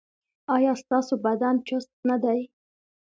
ایا ستاسو بدن چست نه دی؟